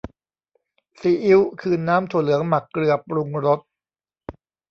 ซีอิ๊ว คือน้ำถั่วเหลืองหมักเกลือปรุงรส